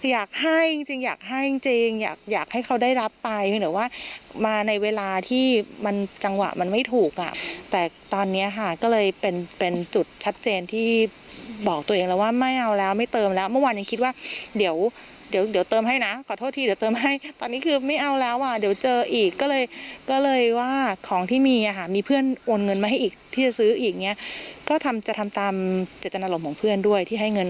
อยากให้จริงอยากให้จริงอยากอยากให้เขาได้รับไปหรือว่ามาในเวลาที่มันจังหวะมันไม่ถูกอ่ะแต่ตอนเนี้ยค่ะก็เลยเป็นเป็นจุดชัดเจนที่บอกตัวเองแล้วว่าไม่เอาแล้วไม่เติมแล้วเมื่อวานยังคิดว่าเดี๋ยวเดี๋ยวเดี๋ยวเติมให้นะขอโทษทีเดี๋ยวเติมให้ตอนนี้คือไม่เอาแล้วอ่ะเดี๋ยวเจออีกก็เลยก็เลย